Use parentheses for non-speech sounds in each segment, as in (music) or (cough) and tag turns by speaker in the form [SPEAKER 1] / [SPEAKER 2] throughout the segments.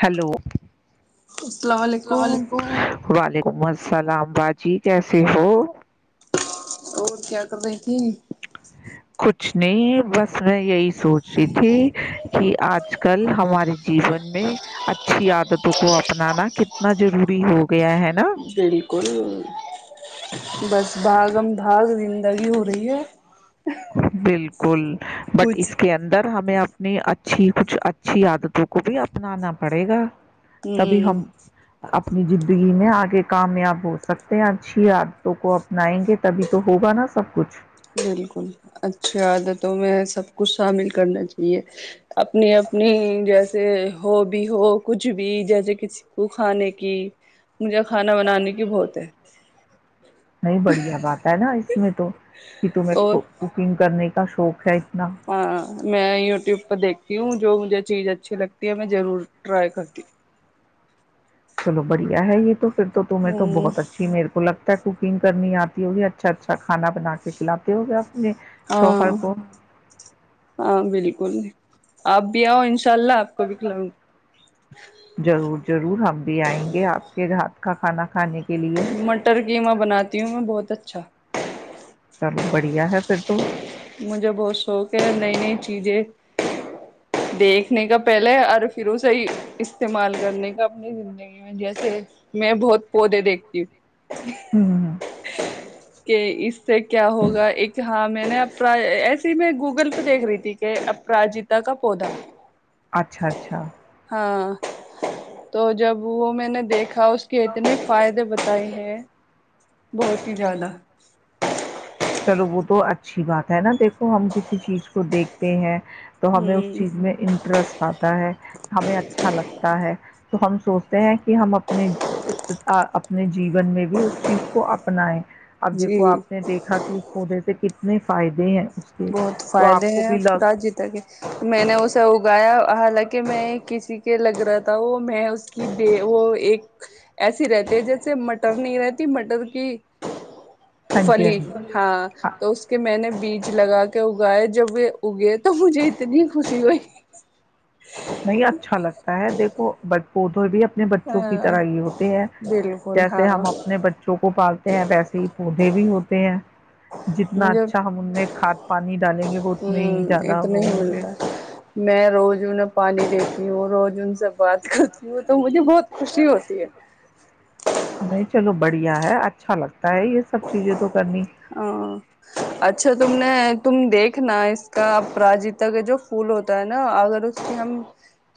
[SPEAKER 1] hello السلام علیکم ولیکم م السلام باجی کیسے ہو
[SPEAKER 2] اور کیا کر رہ تھی
[SPEAKER 1] کچھ نہیں بس میں یہی سوچ رہی تھی کہ آج کل ہمارے جیون میں اچھی عادتوں کو اپنانا کتنا ضروری ہو گیا ہے نا
[SPEAKER 2] بالکل بس باگم باگ د لگی ہو رہی ہے
[SPEAKER 1] کل بٹ
[SPEAKER 2] کچھ
[SPEAKER 1] اس کے اندر ہمیں آپ اپنی اچھی کچھ اچھی عادتوں کو بھی اپنانا پڑے گا تبھی
[SPEAKER 2] ہوں
[SPEAKER 1] ہم اپنی زندگی میں آگے کامیاب ہو سکتے ہیں اچھی عادتوں کو اپنائیں گے تبھی تو ہوگا نا سب کچھ
[SPEAKER 2] بالکل اچھا عد تووں میں سب کچھ شامل کرنا چاہیے اپنی اپنی جیسے ہو بھی ہو کچھ بھی جیسے کسی کو کھانے کی مجھے کھانا بنانے کی بہت ہے
[SPEAKER 1] نہیں بڑھیا بات ہے نا اس مٹو تمہیں
[SPEAKER 2] اور
[SPEAKER 1] کوکنگ کرنے کا شوق ہے اتنا
[SPEAKER 2] ہاں میں یوٹیوب پر دیک کیوں جو مجھے چیز اچھی لگتی ہے میں ضرور ٹرائی کرتی ہ
[SPEAKER 1] چلو بڑھیا ہے یہ تو پھر تو تمہیں تو
[SPEAKER 2] ہوں
[SPEAKER 1] بہت اچھی میرے کو لگتا ت کوکنگ کرنی آتی ہوگی اچھا اچھا کھانا بنا کے کھلاتے ہو گے آپ
[SPEAKER 2] ہاں ہاں بالکل ابیا ان
[SPEAKER 1] ضرور ضرور ہم بھی آئیں گے آپ کے گات کا کھانا کھانے کے لیے
[SPEAKER 2] مٹر قمہ بناتی ہوں میں بہت اچھا
[SPEAKER 1] چل بڑھیا ہے پھر تو
[SPEAKER 2] مجھے بہت شوق ہے نئی نئی چیزیں دیکھنے کا پہلے اور پھر اس سےی استعمال کرنے کا اپنی زندگی میں جیسے میں بہت پودے دیکھتی ہوں
[SPEAKER 1] ہ
[SPEAKER 2] (inaudible) کہ اس سے کیا ہوگا ایک ہاں میں نے ایسے ہی میں گوگل پہ دیکھ رہی تھی کہ اپراجیتا کا پودا
[SPEAKER 1] اچھا اچھا
[SPEAKER 2] ہاں تو جب وہ میں نے دیکھا اس کے اتنے فائدے بتائے ہیں بہت ہی زیادہ
[SPEAKER 1] چلو وہ تو اچھی بات ہے نا دیکھو ہم کسی چیز کو دیکھتے ہیں تو ہمیں اس
[SPEAKER 2] ہوں
[SPEAKER 1] چیز میں انٹرسٹ آتا ہے ہمیں اچھا لگتا ہے تو ہم سوچتے ہیں کہ ہم اپنے اپنے جیون میں بھی اس چیز کو اپنائیں اب ج کو
[SPEAKER 2] جی
[SPEAKER 1] آپ نے دیکھا کہ سے کتنے فائدے ہیں اس کے
[SPEAKER 2] بہت
[SPEAKER 1] تو
[SPEAKER 2] فائدے
[SPEAKER 1] آپ کو
[SPEAKER 2] ہیں
[SPEAKER 1] بھی لگ
[SPEAKER 2] را جی تک کے تو میں نے اسے اگایا حالانکہ کہ میں کسی کے لگ رہا تھا وہ میں اس کیے وہ ایک ایسی رہتی ہے جیسے م مٹر نہیں رہتی مٹر کی
[SPEAKER 1] ہاں جی
[SPEAKER 2] فلی
[SPEAKER 1] جی
[SPEAKER 2] ہاں تو اس کے میں نے بیج لگا کے اگائے جب وہ اگے تو مجھے اتنی خوشی ہوئی
[SPEAKER 1] نہیں اچھا لگتا ہے دیکھو بٹ ا تو بھی (unintelligible) اپنے بچوں کی
[SPEAKER 2] ہاں
[SPEAKER 1] طرح یہ ہوتے ہیں
[SPEAKER 2] بالکل
[SPEAKER 1] جیسے
[SPEAKER 2] ہاں
[SPEAKER 1] ہم اپنے بچوں کو پالتے ہیں ویسے ہی پودے بھی ہوتے ہیں جتنا
[SPEAKER 2] مجھے ہ
[SPEAKER 1] اچھا ہم ان میں کھاد پانی ڈالیں گے وہ اتنے ہی زیادہ
[SPEAKER 2] اتنا
[SPEAKER 1] وہ
[SPEAKER 2] ہی
[SPEAKER 1] ہوں گے
[SPEAKER 2] ملتا دیکتی ہوں روج ان سے بات کرتی ہوں تو مجھے بہت خوشی ہوتی ہے
[SPEAKER 1] نہیں چلو بڑھیا ہے اچھا لگتا ہے یہ سب چیزیں تو کرنی
[SPEAKER 2] ہاں اچھا تم نے تم دیکھنا اس کا اپراجیتا کا جو پھول ہوتا ہے نا اگر اس کی ہم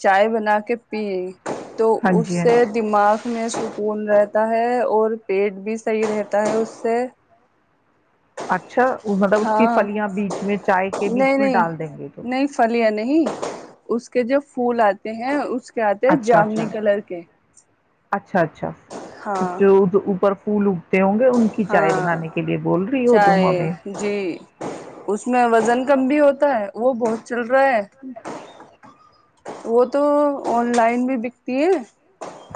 [SPEAKER 2] چائے بنا کے پیے تو
[SPEAKER 1] ہاں جی
[SPEAKER 2] اس
[SPEAKER 1] ہاں
[SPEAKER 2] سے
[SPEAKER 1] جی
[SPEAKER 2] دماغ میں سکون رہتا ہے اور پیٹ بھی صحیح رہتا ہے اس سے
[SPEAKER 1] اچھا مطلب اس کی
[SPEAKER 2] ہاں
[SPEAKER 1] فلیاں بیچ میں چائے کے
[SPEAKER 2] نہیں
[SPEAKER 1] بیچ میں
[SPEAKER 2] نہیں
[SPEAKER 1] ڈال دیں گے تو
[SPEAKER 2] نہیں پھلیاں اس کے جو پھول آتے ہیں اس کیا آتے ہیں
[SPEAKER 1] اچھا
[SPEAKER 2] جامنی
[SPEAKER 1] اچھا
[SPEAKER 2] کلر کے
[SPEAKER 1] اچھا اچھا
[SPEAKER 2] ہاں
[SPEAKER 1] جو اوپر اسکول اگھتے ہ (unintelligible)
[SPEAKER 2] ہاں
[SPEAKER 1] تم
[SPEAKER 2] چاہے
[SPEAKER 1] ہمیں
[SPEAKER 2] جی اس میں وزن کم بھی ہوتا ہے (unintelligible) وہ بہت چل رہا ہے وہ تو آن لائن بھی بکتی ہے (unintelligible)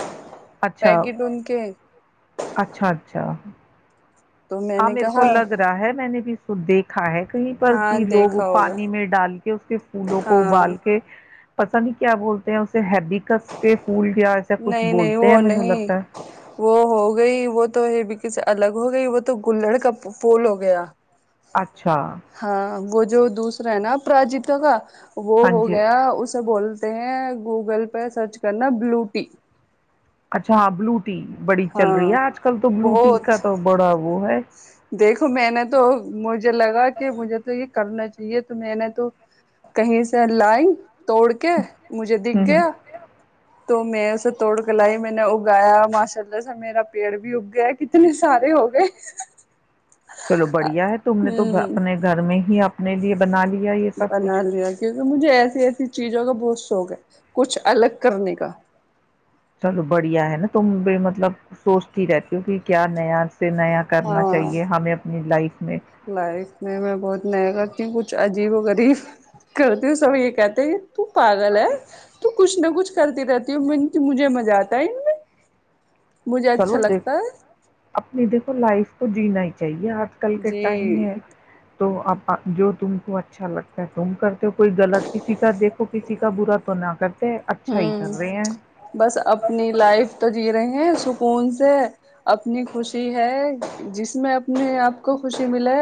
[SPEAKER 1] اچھا
[SPEAKER 2] پیکٹ ان کے
[SPEAKER 1] اچھا اچھا (unintelligible)
[SPEAKER 2] تو میں
[SPEAKER 1] ہاں
[SPEAKER 2] نے
[SPEAKER 1] میرے کو
[SPEAKER 2] کہا
[SPEAKER 1] لگ رہا ہے میں نے بھی (unintelligible) س دیکھا ہے (unintelligible) کہیں پر
[SPEAKER 2] ہاں
[SPEAKER 1] کی لوگ
[SPEAKER 2] دیکھا ہوگا
[SPEAKER 1] پانی میں ڈال کے اس کے پھولوں کو
[SPEAKER 2] ہاں
[SPEAKER 1] ابال کے (unintelligible) پسند ہی کیا بولتے ہیں اسے ہیبیکس (unintelligible) ایسا کچھ
[SPEAKER 2] نہیں نہیں
[SPEAKER 1] بولتے ہیں
[SPEAKER 2] وہ
[SPEAKER 1] مجھے
[SPEAKER 2] نہیں
[SPEAKER 1] لگتا ہے
[SPEAKER 2] وہ ہو گئی وہ تو ہے ب (unintelligible) ک سے الگ ہو گئی وہ تو گڑ کا پھول ہو گیا (unintelligible)
[SPEAKER 1] اچھا (unintelligible)
[SPEAKER 2] ہاں وہ جو دوسرا ہے نا پراجیت کا (unintelligible) وہ
[SPEAKER 1] ہاں
[SPEAKER 2] ہو
[SPEAKER 1] جی
[SPEAKER 2] گیا اسے بول (unintelligible) ہیں گوگل پہ سرچ کرنا بلو (unintelligible) پ (unintelligible)
[SPEAKER 1] اچھا ہ بلو (unintelligible) بڑی چل رہی ہے آج کل تو بلوٹی
[SPEAKER 2] بہت
[SPEAKER 1] کا تو بڑا وہ ہے (unintelligible)
[SPEAKER 2] دیکھو میں نے تو مجھے لگا کہ مجھے تو یہ (unintelligible) کرنا چاہیے تو میں نے تو کہیں سے لائی (unintelligible) توڑ کے مجھے دکھ
[SPEAKER 1] ہ
[SPEAKER 2] گیا (unintelligible) تو میں اسے توڑ کے لائی میں نے اگایا ماشاء اللہ سے میرا پیڑ بھی اگ گیا (unintelligible) اتنے سارے ہو گئے (unintelligible)
[SPEAKER 1] چلو بڑھیا ہے تم نے تو
[SPEAKER 2] ہوں
[SPEAKER 1] اپنے گھر میں (unintelligible) اپنے لیے بنا لی (unintelligible)
[SPEAKER 2] بنا لیا کیونکہ مجھے ایسی ایسی چیزوں کا بہت (unintelligible) شوق ہے کچھ الگ کرنے کا (unintelligible)
[SPEAKER 1] چلو بڑھیا ہے نا تم ب مطلب سوچتی رہتی ہو کہ کیا نیا (unintelligible) سے نیا کرنا
[SPEAKER 2] ہاں
[SPEAKER 1] چاہیے ہمیں اپنی لائف (unintelligible)
[SPEAKER 2] لائف میں میں بہت نیا کرتی ہوں کچھ عجیب و غریب کرتی ہوں سب یہ کہتے ہیں (unintelligible) تو پاگل ہے تو کچھ نہ کچھ (unintelligible) کرتی رہتی ہوں مجھے مزہ آتا ہے ان میں (unintelligible) اچھا
[SPEAKER 1] چلو دیکھ
[SPEAKER 2] لگتا ہے
[SPEAKER 1] اپنی دیکھو لائف تو (unintelligible) جین ہی چاہیے (unintelligible) یہ آج کل کے ٹائم
[SPEAKER 2] جی
[SPEAKER 1] میں تو اپاجو تم کو اچھا لگتا ہے تم کرتے ہو کوئی غلط کسی دیکھو کسی کا برا تو نہ کرتے اچھا ہی
[SPEAKER 2] ہوں
[SPEAKER 1] کر رہے ہیں
[SPEAKER 2] بس فون سے اپنی خوشی ہے جس میں اپنے آپ کو خوشی ملے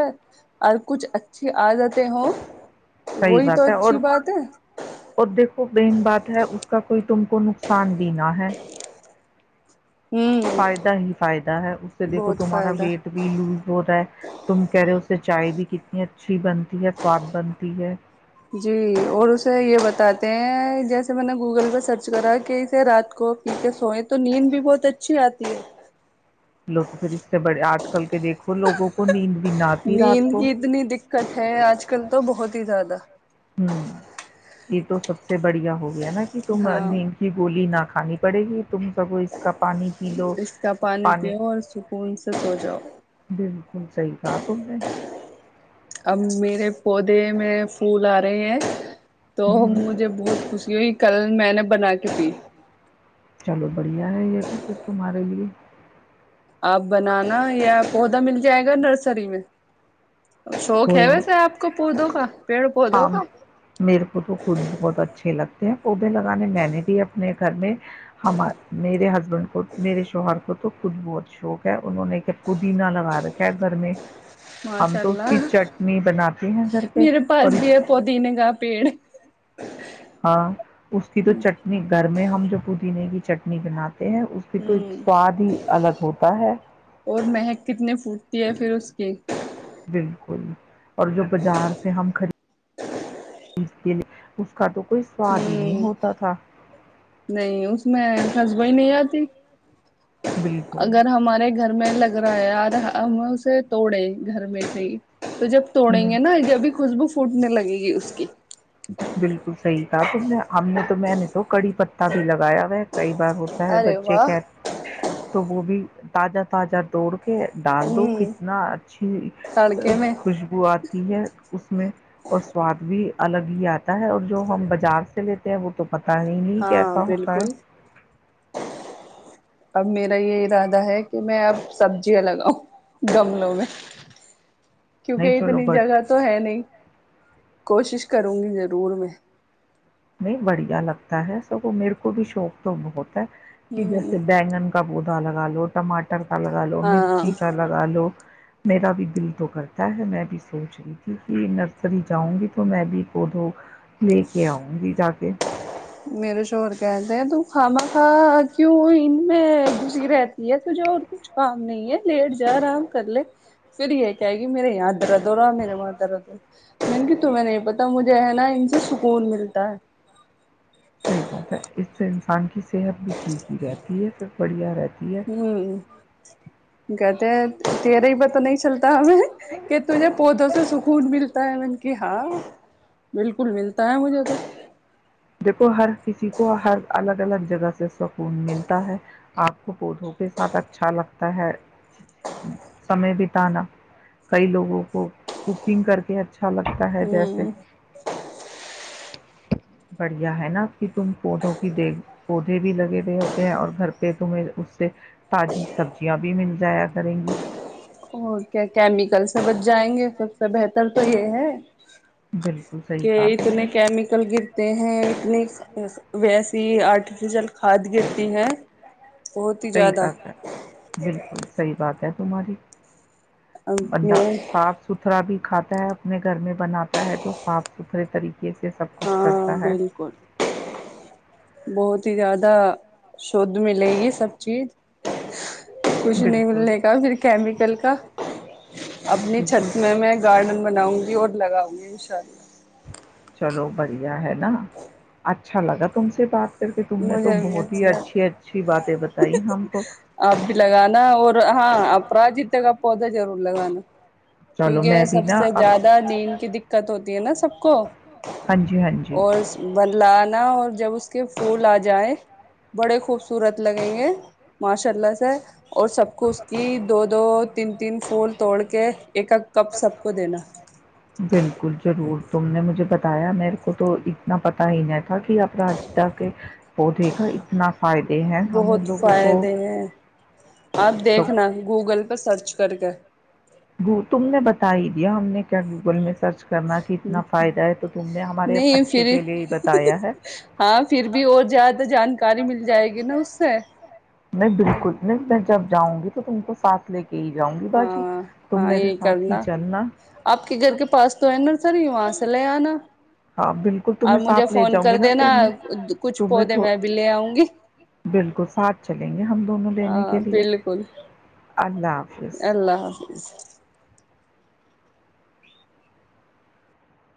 [SPEAKER 2] اور کچھ اچھی عادتیں ہوں
[SPEAKER 1] صحیح
[SPEAKER 2] وہی تو
[SPEAKER 1] بات ہے اور
[SPEAKER 2] اچھی بات ہے
[SPEAKER 1] اور دیکھو بین بات ہے اس کا کوئی تم کو نقصان بھی نہ ہے
[SPEAKER 2] ہوں
[SPEAKER 1] فائدہ ہی فائدہ ہے اس سے دیکھو
[SPEAKER 2] بہت
[SPEAKER 1] تمہارا
[SPEAKER 2] فائدہ
[SPEAKER 1] ویٹ بھی لوز ہو رہا ہے تم کہہ رہے ہو اس سے چائے بھی کتنی اچ اچی بنتی ہے فوااد بنتی ہے
[SPEAKER 2] جی اور اسے یہ بتاتے ہیں جیسے میں نے گوگل سرچ کرا کہ اسے رات کو پیتے سوئے تو نیند بھی بہت اچھی آتی ہے
[SPEAKER 1] چل کے دیکھووں کو نیند بھی نہ آتی
[SPEAKER 2] نیند
[SPEAKER 1] رات
[SPEAKER 2] کی
[SPEAKER 1] کو
[SPEAKER 2] اتنی د کٹھے آج کل تو بہت ہی زیادہ
[SPEAKER 1] ہوں یہ تو سب سے بڑھیا ہوگ نا کہ تم
[SPEAKER 2] ہاں
[SPEAKER 1] نیند کی گولی نہ کھانی پڑے گی تم سبو اس کا پانی پی لو
[SPEAKER 2] اس کا
[SPEAKER 1] پانی
[SPEAKER 2] پیو اور سکون سے سو جاؤ
[SPEAKER 1] بالکل صحیح کہا تم نے
[SPEAKER 2] اب میرے پودے د میں پھول آ رہے ہیں تو
[SPEAKER 1] ہ
[SPEAKER 2] مجھے بہت خوشی ہوئی کل میں نے بنا کے پی
[SPEAKER 1] چلو بڑھیا ہے یہ تو کھر تمہارے لیے
[SPEAKER 2] آپ بنانا یا پودا مل جائے گا نرسری میں شوق ہے
[SPEAKER 1] کوئی نہیں
[SPEAKER 2] ویسے آپ کو پودوں کا پیڑ پودوں
[SPEAKER 1] ہاں
[SPEAKER 2] کا
[SPEAKER 1] پوبے لگانے میں نے بھی اپنے گھر میں ہمار میرے ہسبینڈ کو میرے شوہر کو تو کچھ بہت شوق ہے انہوں نے کہ پودینہ لگا رکھا ہے گھر میں ہم
[SPEAKER 2] ماشاء
[SPEAKER 1] تو اس
[SPEAKER 2] اللہ
[SPEAKER 1] کی چٹنی بناتے ہیں گھر پہ
[SPEAKER 2] میرے پاس
[SPEAKER 1] اور
[SPEAKER 2] بھی ہے پودی نے کااہ پیڑ
[SPEAKER 1] ہاں اس کی تو چٹنی گھر میں ہم جو پوودینے کی چٹنی بناتے (inaudible) ہیں اس کے تو ایک
[SPEAKER 2] ہوں
[SPEAKER 1] سواد ہی الگ ہوتا ہے
[SPEAKER 2] اور مہک کتنی پھوٹتی (unintelligible)
[SPEAKER 1] بالکل اور جو بازار سے ہم خرید خرید کے لیے اس کا تو کوئی سواد ہی نہیں
[SPEAKER 2] ہ
[SPEAKER 1] ہوتا ت تھاا
[SPEAKER 2] نہیں اس میں خشبوئی نہیں آتی
[SPEAKER 1] بالکل
[SPEAKER 2] اگر ہمارے گ میں لگ رہا ہے یار ہم اسے توڑے گھر میں سے ہی تو جب توڑیں
[SPEAKER 1] ہ
[SPEAKER 2] گے نا جب خوشبو پوٹنے لگے گی اس کی
[SPEAKER 1] بالکل صحیح تھا تو میں ہم نے تو میں نے تو کڑی پ پ بھی لگا (inaudible) ایا کئی بار ہوتا ہے
[SPEAKER 2] ارے
[SPEAKER 1] بچے
[SPEAKER 2] واہ
[SPEAKER 1] کے تو وہ بھی تازہ تازہ دوڑ ڈال دو
[SPEAKER 2] ہوں
[SPEAKER 1] کتنا اچھی
[SPEAKER 2] تڑکے میں
[SPEAKER 1] خوشبو آتی ہے اس میں اور سواد بھی الگ ہی ہے (inaudible) ہے اور جو ہم بازار سے لیتے ہیں وہ تو پتا نہیں نہیں
[SPEAKER 2] ہاں
[SPEAKER 1] کیسا ہوتا ہے
[SPEAKER 2] بالکل اب میرا یہ ارادہ ہے کہ میں اب سبزیاں لگاؤں گملوں میں
[SPEAKER 1] نہیں
[SPEAKER 2] کیونکہ
[SPEAKER 1] چلو
[SPEAKER 2] اتنی
[SPEAKER 1] بٹ
[SPEAKER 2] جگہ تو ہے نہیں کوشش کروں گی ضرور میں
[SPEAKER 1] میں بڑھیا لگتا ہے سب وہ میرے کو بھی شوق تو بہت کہ
[SPEAKER 2] ہوں
[SPEAKER 1] جیسے بینگن بودالگا لو ٹمٹا ٹر کا لگا لو
[SPEAKER 2] ہاں
[SPEAKER 1] مرچی کا لگا لو میرا بھی دل تو کرتا ہے میں بھی سوچ رہی تھی کہ نرسری جاؤں گی تو میں بھی کوود لے کے آؤں گ ج جا کے
[SPEAKER 2] میرے شوور کہتے ہیں ت خاما خا کیوں ان میں گش رہتی ہے تجھے اور کچھ کام نہیں ہے لیٹ جا آرام کر لے پھر یہ کہے گی میرے یاد ارا دوورا میرل مات رہد م کہ تمہیں نہیں پتا مجھے ہے نا ان سے سکون ملتا ہے
[SPEAKER 1] صحیح بات ہے اس سے انسان کی صحت بھی ٹھیک ہی رہتی ہے پھر بڑھیا رہتی ہے
[SPEAKER 2] (unintelligible) کہتے تیرے ب تو نہیں چلتا کہ تجھے پودوں سے سکون ملتا ہے من کہ ہاں بالکل ملتا ہے مجھے تو
[SPEAKER 1] دیکھو ہر کسی کو ہر الگ الگ جگہ سے سکون ملتا ہے آپ کو پودوں کے ساتھ اچھا لگتا ہے سمے بتانا کئی لوگوں کو ککنگ کر کے اچھا لگتا ہے جیسے
[SPEAKER 2] ہوں
[SPEAKER 1] بڑھیا ہے نا کہ تم پودوں کی دیک پودے بھی لگے ہوئے ہوتے ہیں اور گھر پہ تمیں اس سے تازی سبزیاں بھی مل جایا کریں گی
[SPEAKER 2] اور کیا کیمیکل سے بچ جائیں گے سب سے بہتر تو یہ ہے
[SPEAKER 1] بالکل صحیح
[SPEAKER 2] کہ
[SPEAKER 1] کہا تم
[SPEAKER 2] اتنے
[SPEAKER 1] نے
[SPEAKER 2] کیمکل گ تے ہیں ات ویسٹ ت آرٹیفیشیل کھاد گتی ہے بہت ہی
[SPEAKER 1] سحی
[SPEAKER 2] زیادہ
[SPEAKER 1] بات ہے بالکل صحی بات ہے سماری بندہ
[SPEAKER 2] میں
[SPEAKER 1] صاف ستھرا بھی کھاتا ہے اپنے گھر میں بناتا ہے تو صاف ستھرے طریقے سے سب کچھ
[SPEAKER 2] ہاں
[SPEAKER 1] کرتا ہے
[SPEAKER 2] بالکل بہت زیادہ شھ ملے گی سب چیز کچھ نہیں
[SPEAKER 1] بالکل
[SPEAKER 2] ملنے کا پھر کیمیکل کا اپنی
[SPEAKER 1] بالکل
[SPEAKER 2] چھت میں میں گارڈن بناؤں گی اور لگاؤں گے ان شاء اللہ
[SPEAKER 1] چلو بڑھیا ہے نا اچھا اچھا لا تم سے بات کر کے تم نے تو
[SPEAKER 2] مجھے بھی
[SPEAKER 1] بہت ہی
[SPEAKER 2] اچھا لگ
[SPEAKER 1] اچھی اچھی باتیں بتائی ہم کو
[SPEAKER 2] آپ بھی لگانا اور ہاں اپراجی تک پودا ضرور لگانانا
[SPEAKER 1] چلو میں
[SPEAKER 2] کیونکہ
[SPEAKER 1] بھی
[SPEAKER 2] سب
[SPEAKER 1] نا
[SPEAKER 2] سے
[SPEAKER 1] اب
[SPEAKER 2] زیادہ نین کی دقت ہوتی ہے نا سب کو
[SPEAKER 1] ہاں جی ہاں جی
[SPEAKER 2] اور لانا اور جب اس کے پول آ جائیں بڑے خوبصورت لگیں گے ماشاء اللہ سے اور سب کو اس کی دو دو تین تین پھول توڑ کے ایک کپ سب کو دینا
[SPEAKER 1] بالکل ضرور تم نے مجھے بتا بتایا میرے کو تو اتنا پتا ہی نہیں تھا کہ آپ رجدا کے پودے کاا اتنا فائدے ہیں ہمیں
[SPEAKER 2] بہت
[SPEAKER 1] لوگوں کو
[SPEAKER 2] فائدے ہیں آپ
[SPEAKER 1] سب
[SPEAKER 2] دیکھنا گوگل پہ سرچ سک
[SPEAKER 1] وہ تم نے بتا ہی دیا ہم نے کیا گوگل میں سرچ کرنا کہ
[SPEAKER 2] ہ
[SPEAKER 1] اتنا فائدہ ہے تو تم نے ہمارے
[SPEAKER 2] نہیں
[SPEAKER 1] اچھے
[SPEAKER 2] پھر
[SPEAKER 1] کے لیے ہی بتایا ہے
[SPEAKER 2] ہاں پھر بھی اور زیاد تو جانکاری مل جائے گی نا اس سے
[SPEAKER 1] میں بالکل نہیں میں جب جاؤ گی تو تم کو سھ لے کے کہ جاؤں گی باجی
[SPEAKER 2] ہاں
[SPEAKER 1] تم
[SPEAKER 2] ہاں
[SPEAKER 1] میرے
[SPEAKER 2] یہی
[SPEAKER 1] ساتھ ہی
[SPEAKER 2] کرنا
[SPEAKER 1] چلنا
[SPEAKER 2] آپ کے گھر کے پاس تو ہے نا سری وہاںصل نا
[SPEAKER 1] بالکل تمہیں سھ لے جاؤں گی نا تم
[SPEAKER 2] کچھ
[SPEAKER 1] تمیں
[SPEAKER 2] پودے میں بھی لے آؤں گی
[SPEAKER 1] بالکل ساتھ چلیں گے ہم دونوں لینے کے
[SPEAKER 2] ہاں
[SPEAKER 1] لیے
[SPEAKER 2] بالکل
[SPEAKER 1] اللہ حافظ
[SPEAKER 2] اللہ حافظ